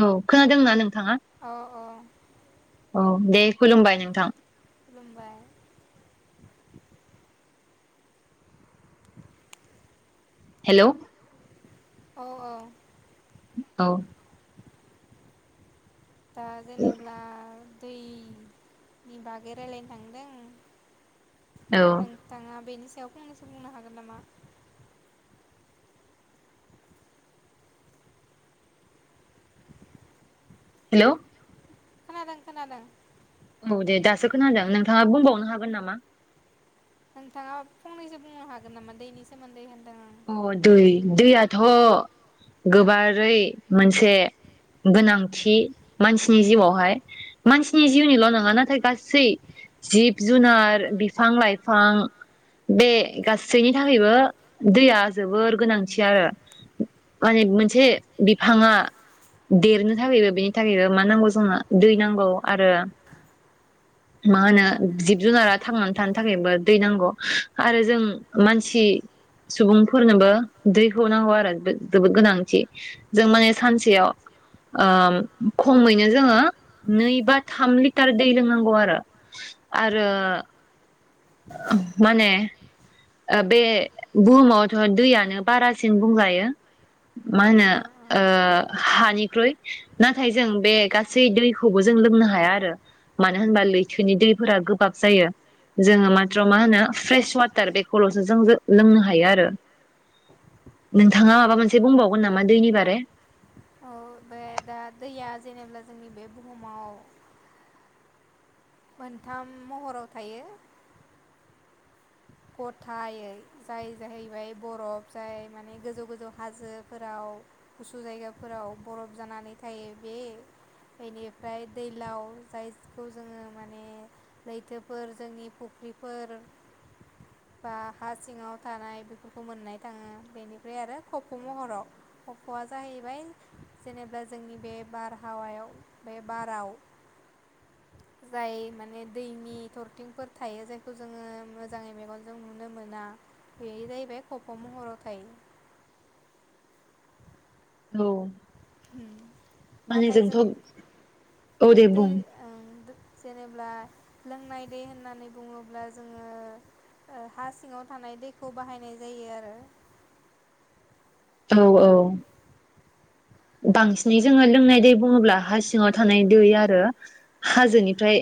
औ खोनादोंना नों अ औ औ दे खुलुमबाय नोंथां खुलुम्बायबाय हेल' औ औ औ दा जेनेबा दैनि बागै राय्लायनो थांदों औ नोंथाङाङा बेनो सायाव फंनैसो बुंनो हागोन नामा हेल' खोनादों खोनादों औ दे दासो खोनादों नोंथाङा बुंबावनो हागोन नामा नोंथाङा फंनैसो बुंनो हागोन नामा दैनि सोमोन्दै नोंथाङा अ दै दैयाथ' गोबारै मोनसे गोनांथि मानसिनि जिउआवहाय मानसिनि जिउनिल' नङा नाथाय गासै जिब जुनार बिफां लाइफां बे गासैनि थाखायबो दैया जोबोर गोनांथि आरो माने मोनसे बिफाङा देरनो थाखायबो बेनि थाखायबो मा नांगौ जोंनो दै नांगौ आरो मा होनो जिब जुनारा थांनानै थानो थाखायबो दै नांगौ आरो जों मानसि सुबुंफोरनोबो दैखौ नांगौ आरो जोबोद गोनांथि जों माने सानसेयाव खमैनो जोङो नै बा थाम लिटार दै लोंनांगौ आरो आरो माने बे बुहुमावथ' दैयानो बारासिन बुंजायो मा होनो आं औ हानिख्रुइ नाथाय जों बे गासै दैखौबो जों लोंनो हाया आरो मानो होनबा लैथोनि दैफोरा गोबाब जायो जोङो माथ्र' मा होनो फ्रेश वाटार तार बेखौल'सो जों लोंनो हायो आरो नोंथाङा माबा मोनसे बुंबावगोन नामा दैनि बारै औ बे दा दैया जेनेबा जोंनि बे बुहुमाव मोनथाम महराव थायो गथायै जाय जाहैबाय बरफ जाय माने गोजौ गोजौ हाजोफोराव गुसु जायगाफोराव बरफ जानानै थायो बे बेनिफ्राय दैलाव जायखौ जोङो माने लैथोफोर जोंनि फुख्रिफोर बा हा सिङाव थानाय बेफोरखौ मोननाय थाङो बेनिफ्राय आरो खफ' महराव खफ'आ जाहैबाय जेनेबा जोंनि बे बारहावायाव बे बाराव जाय माने दैनि थरथिंफोर थायो जायखौ जोङो मोजाङै मेगनजों नुनो मोना बे जाहैबाय खफ महराव थायो औ उ माने नाथाय जों जोंथ' औ दे दै बुं ओ जेनेब्ला लोंनाय दै होननानै बुङोब्ला जोङो हा सिङाव थानाय दैखौ बाहायनाय जायो आरो औ औ। बांसिनै जोङो लोंनाय दै बुङोब्ला हा सिङाव थानाय दै आरो हाजोनिफ्राय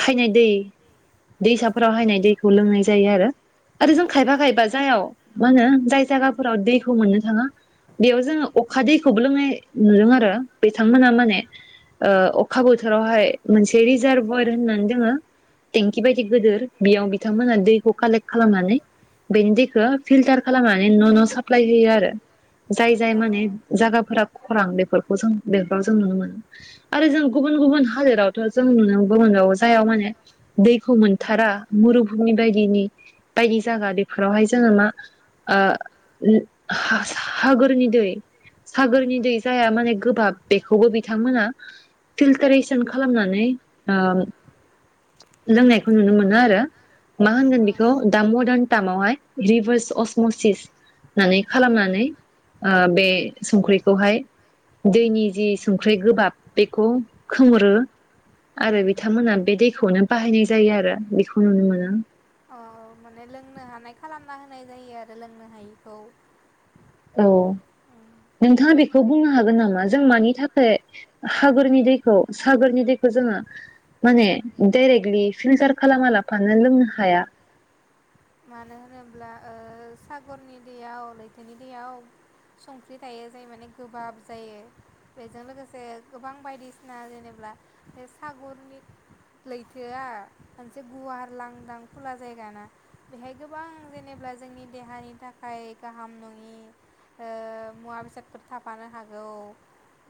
फायनाय दै दैसाफोराव हायनाय दैखौ लोंनाय जायो आरो आरो जों खायफा खायबा जायाव मा होनो जाय जायगाफोराव दैखौ मोननो थाङा बेयाव जोङो अखा दैखौबो लोंनाय नुदों आरो बिथांमोना माने अखा बोथोरावहाय मोनसे रिजारभयर होननानै दोङो टेंकि बायदि गिदिर बेयाव बिथांमोना दैखौ कालेक्ट खालामनानै बेनि दैखौ फिल्टार खालामनानै न' न' साप्लाय होयो आरो जाय जाय औ माने जागाफोरा खरां बेफोरखौ जों बेफोराव जों नुनो मोनो आरो जों गुबुन गुबुन हादोरावथ' जों नुनोबो मोनबावो जाय माने दैखौ मोनथारा मुरुभुुमि बायदिनि बायदि जायगा बेफोरावहाय जोङो मा सागोरनि दै सागोरनि दै जाया माने गोबाब बेखौबो बिथांमोना फिल्टारेसन खालामनानै लोंनायखौ नुनो मोनो आरो मा ओं होनगोन ओं बेखौ दा मदान दामावहाय रिभार्स असमसिस होननानै खालामनानै ओ बे संख्रिखौहाय दैनि जि संख्रि गोबाब बेखौ खोमोरो आरो बिथांमोना बे दैखौनो बाहायनाय जायो आरो बेखौ नुनो मोनो। औ माने लोंनो हानाय खालामना होनाय जायो आरो लोंनो हायिखौ। औ नोंथाङा बेखौ बुंनो हागोन नामा जों मानि थाखाय हागोरनि दैखौ सागोरनि दैखौ जोङो माने डाइरेक्टलि फिल्टार खालामा लाफानो लोंनो हाया? मानो होनोब्ला सागरनि दैयाव लैथोनि दैयाव संख्रि थायो जाय माने गोबाब जायो बेजों लोगोसे गोबां बायदिसिना जेनेबा बे सागरनि लैथोआ मोनसे गुवार लांदां खुला जायगाना बेहाय गोबां जेनेबा जोंनि देहानि थाखाय गाहाम नङि मुवा ओ बेसादफोर थाफानो हागौ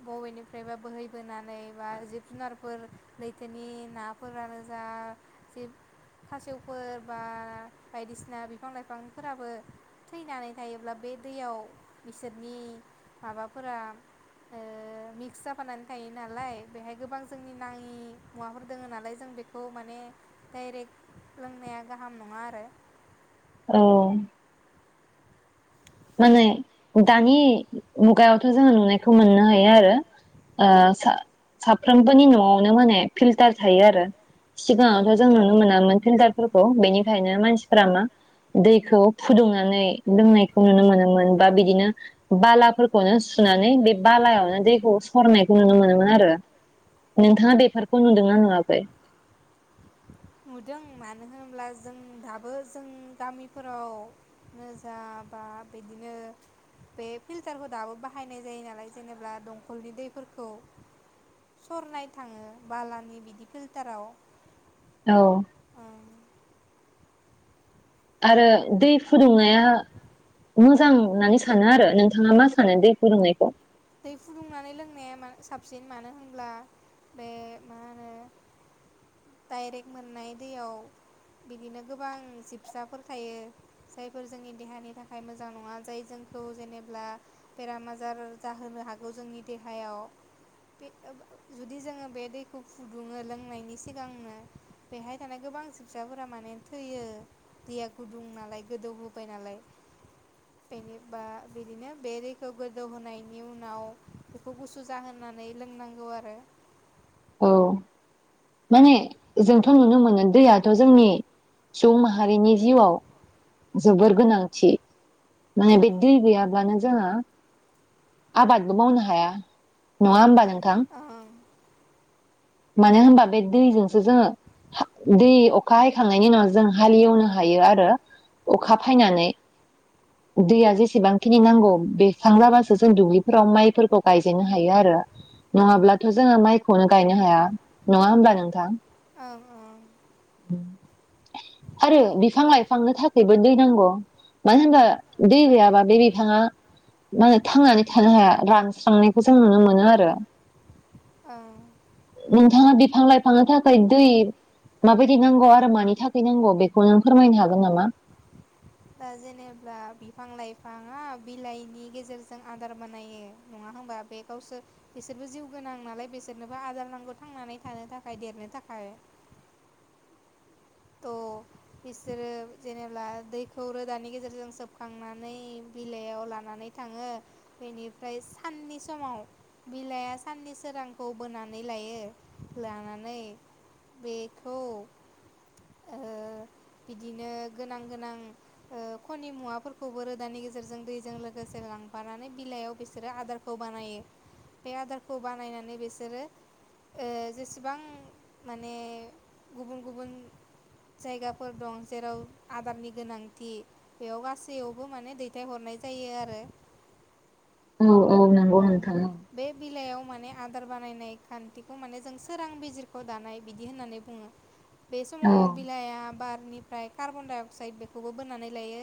बबेनिफ्रायबा बोहैबोनानै बा जिब जुनारफोर लैथोनि नाफोरानो जा जि खासेवफोर बा बायदिसिना बिफां लाइफांफोराबो थैनानै थायोब्ला बे दैयाव बिसोरनि माबाफोर ओ मिक्स जाफानानै थायो नालाय बेहाय गोबां जोंनि नाङि मुवाफोर दङ नालाय जों बेखौ माने डायरेक्ट लोंनाया गाहाम नङा आरो औ। माने दानि मुगायावथ' जोङो नुनायखौ मोननो हायो ओ आरो साफ्रोमबोनि न'आवनो माने फिल्टार थायो आरो ओं सिगाङावथ' जों नुनो मोनामोन फिरताल फोरखौ बेनिखायनो मानसिफोरा मा दैखौ फुदुंनानै लोंनाय खौ नुनो मोनोमोन बा बिदिनो बालाफोरखौनो सुनानै बे बालायावनो दैखौ सरनायखौ नुनो मोनोमोन आरो नोंथाङा बेफोरखौ नुदोंना नुवाखै? नुदों मानो होनब्ला जों दाबो जों गामिफोरावनोजा बा बिदिनो बे फिल्टारखौ दाबो बाहायनाय जायो नालाय जेनेबा दंखलनि दैफोरखौ सरनाय थाङो बालानि बिदि फिल्टाराव औ। ओं आरो दै फुदुंनाया मोजां होननानै सानो आरो नोंथाङा मा सानो दै फुदुंनायखौ? दै फुदुंनानै लोंनाया साबसिन मानो होनब्ला बे मा होनो डाइरेक्ट मोननाय दैयाव बिदिनो गोबां जिबसाफोर थायो जायफोर जोंनि देहानि थाखाय मोजां नङा जाय जोंखौ जेनेब्ला बेराम आजार जाहोनो हागौ जोंनि देहायाव बे जुदि जोङो बे दैखौ फुदुङो लोंनायनि सिगांनो बेहाय थानाय गोबां जिबसाफोरा माने थैयो दैया गुदुं नालाय गोदौहोबाय नालाय बेनिबा बिदिनो बे दैखौ गोदौहोनाय बेनि उनाव बेखौ गुसु जाहोनानै लोंनांगौ आरो औ माने जोंथ' नुनो मोनो दैयाथ' जोंनि सुबुं माहारिनि जिउआव जोबोर गोनांथि माने बे दै गैयाब्लानो जोंहा आबादबो मावनो हाया। नङा ओं होमबा नोंथां ओं। मानो होनबा बे दैजोंसो जोङो दै अखा हायखांनायनि उनाव जों हालेवनो हायो आरो अखा फायनानै दैया जेसेबांखिनि नांगौ बेरसां जाबासो जों दुब्लिफोराव माइफोरखौ गायजेनो हायो आरो नङाब्लाथ' जोङो माइखौनो गायनो हाया नङा होमबा नोंथां? ओं ओं। आरो बिफां लाइफांनो थाखायबो दै नांगौ मानो होनबा दै गैयाबा बे बिफाङा मा थांनानै थानो हाया रानस्रांनायखौ जों नुनो मोनो आरो। औ। नोंथाङा बिफां लाइफांनो थाखाय दै माबायदि नांगौ आरो मानि थाखाय नांगौ बेखौ नों फोरमायनो हागोन नामा? दा जेनेब्ला बिफां लाइफाङा बिलाइनि गेजेरजों आदार बानायो नङा होनबा बे गावसोर बिसोरबो जिउ गोनां नालाय बिसोरनोबो आदार नांगौ थांनानै थानो थाखाय देरनो थाखाय। थ' बिसोरो जेनेब्ला दैखौ रोदानि गेजेरजों सोबखांनानै बिलाइयाव लानानै थाङो बेनिफ्राय साननि समाव बिलाइया साननि सोरांखौ बोनानै लायो लानानै बेखौ ओ बिदिनो गोनां गोनां ओ खनि मुवाफोरखौबो रोदानि गेजेरजों दैजों लोगोसे लांफानानै बिलाइयाव बिसोरो आदारखौ बानायो बे आदारखौ बानायनानै बिसोरो ओ जेसेबां माने गुबुन गुबुन जायगाफोर दं जेराव आदारनि गोनांथि बेयाव गासैयावबो माने दैथायहरनाय जायो आरो। औ। औ नोंगौ नोंथां ओं। दार बानायनाय खान्थिखौ माने जों सोरां बिजिरख' दानाय बिदि होननानै बुङो। बे औ समाव बिलाइआ बार बेनिफ्राय कार्बन डाइ अक्साइड बेखौबो बोननानै लायो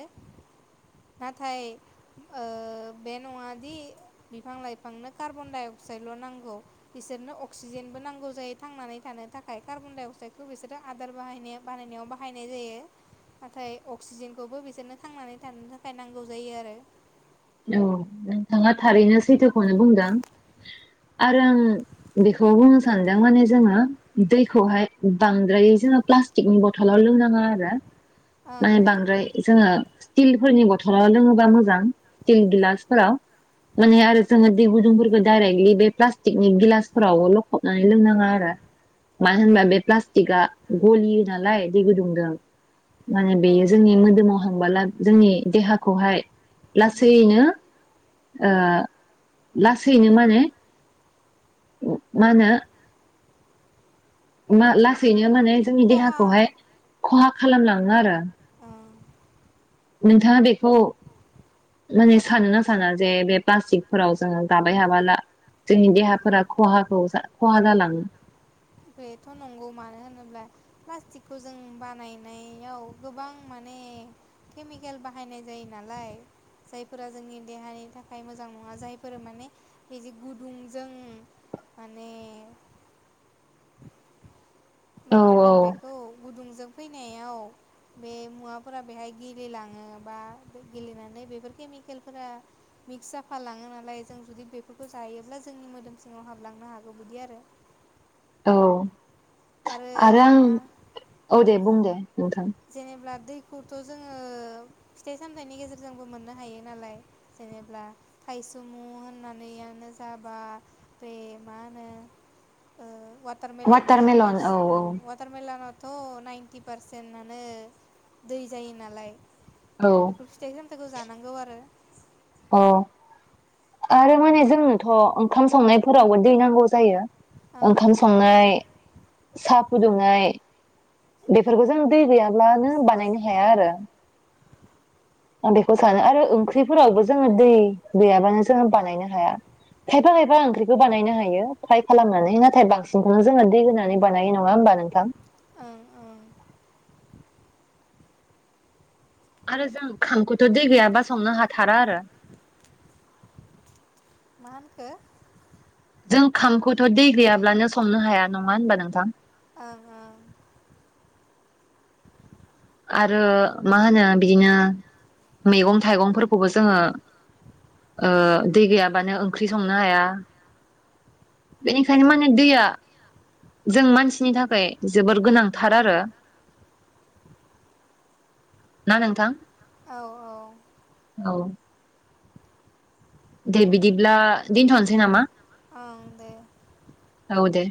नाथाय ओ बे नङा दि बिफां लाइफांनो कार्बन डाइ अक्साइडल' नांगौ बिसोरनो अक्सिजेनबो नांगौ जायो थांनानै थानो थाखाय कार्बन डाइ अक्साइदखौ बिसोरो आदार बाहाय बानायनायाव बाहायनाय जायो नाथाय अक्सिजेनखौबो बिसोरनो थांनानै थानो थाखाय नांगौ जायो आरो। औ नोंथाङा थारैनो सैथोखौनो बुंदों आरो आं बेखौ बुंनो सानदों माने जोङो दैखौहाय बांद्रायै जोङो प्लास्टिकनि बथलाव लोंनाङा आरो। माने ओं बांद्राय जोङो तिलफोरनि बथलाव लोङोबा मोजां स्टिल गिलासफोराव माने आरो जोङो दै गुदुंफोरखौ डायरेक्टलि बे प्लास्टिकनि गिलासफोराव लखबनानै लोंनाङाआरो मानो होनबा बे प्लास्टिकआ गलियो नालाय दै गुदुंजों। माने बेयो ओं औ जोंनि मोदोमाव थांबोला जोंनि देहाखौहाय लास लासैनो ओ लासैनो माने मा होनो मा लासैनो माने जोंनि खहा देहाखौहाय खहा खालामलाङोआरो। ओं नोंथाङा बेखौ माने सानो ना साना जे बे प्लास्टिकफोराव जोङो जाबाय हाबोला जोंनि देहाफोरा खहाखौ खहा जालाङो। बेथ' नंगौ मानो होनोब्ला प्लास्टिकखौ जों बानायनायाव गोबां माने केमिकेल बाहायनाय जायो नालाय जायफोरा जोंनि देहानि थाखाय मोजां नङा जायफोर माने बिदि गुदुंजों माने मा औ होनगोन बेखौ गुदुंजों फैनायाव बे मुवाफोरा बेहाय गेलेलाङो बा गेलेनानै बेफोर केमिकेलफोरा मिक्स जाफालाङो नालाय जों जुदि बेफोरखौ जायोब्ला जोंनि मोदोम सिङाव हाबलांनो हागौ बिदि आरो। औ। आरो आं औ दे बुं दे नोंथां। जेनेब्ला दैखौथ' जोङो फिथाइ सामथाइनि गेजेरजोंबो मोननो हायो नालाय जेनेब्ला थायसुमु होननानैयानो जाबा बे मा होनो ओ वाटारमेलन। तुरमुस औ ओं औ अवाथार मेलन थ' नाइन्टि पारसेन्टआनो दै जायो नालाय औ बेफोर फिथाइ सामथाइखौ जानांगौ आरो। अ आरो माने जोंनोथ' ओंखाम संनायफोरावबो दै नांगौ जायो। ओं ओंखाम संनाय साहा फुदुंनाय बेफोरखौ जों दै गैयाब्लानो बानायनो हाया आरो। आं बेखौ सानो आरो ओंख्रिफोरावबो जोंङो दै गैयाबानो जोंङो बानायनो हाया खायफा खायफा ओंख्रिखौ बानायनो हायो फ्राय खालामनानै नाथाय बांसिनखौनो जोंङो दै होनानै बानायो नंङा होनबा नोंथां। ओं ओं। आरो जों ओंखामखौथ दै गैयाब्ला संनो हाथारा आरो। मा होनखो? जों खामखौ दै गैयाब्लानो संनो हाया। नंङा होनबा नोंथां। ओं ओं आरो मा होनो बिदिनो मैगं थाइगंफोरखौबो जोंङो ओ दै गैयाबानो ओंख्रि संनो हाया बेनिखायनो माने दैया जों मानसिनि थाखाय जोबोर गोनांथार आरो। ना नोंथां। औ औ। औ। दे बिदिब्ला दोनथ'नोसै नामा? ओं दे औ दे